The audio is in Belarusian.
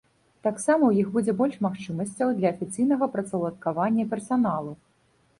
Таксама ў іх будзе больш магчымасцяў для афіцыйнага працаўладкавання персаналу.